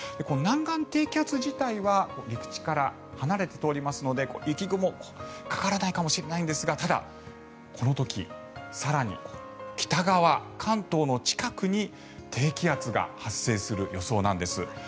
南岸低気圧自体は陸地から離れて通りますので雪雲、かからないかもしれないんですがただ、この時更に北側関東の近くに低気圧が発生する予想なんです。